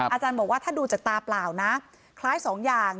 อาจารย์บอกว่าถ้าดูจากตาเปล่านะคล้ายสองอย่าง